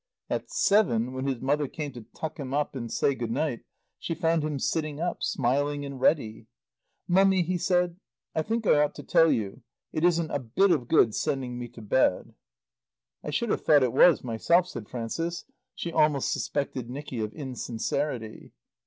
At seven, when his mother came to tuck him up and say Good night, she found him sitting up, smiling and ready. "Mummy," he said, "I think I ought to tell you. It isn't a bit of good sending me to bed." "I should have thought it was, myself," said Frances. She almost suspected Nicky of insincerity.